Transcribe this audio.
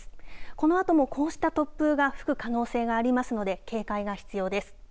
このあともこうした突風が吹く可能性がありますので警戒が必要です。